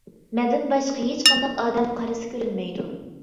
مەندىن باشقا ھېچ قانداق ئادەم قارىسى كۆرۈنمەيدۇ.